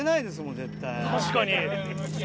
確かに。